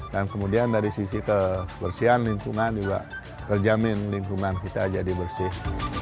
dan kemudian dari sisi kebersihan lingkungan juga terjamin lingkungan kita jadi bersih